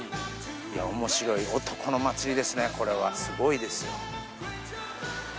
おもしろい男の祭りですね、これは、すごいですよ。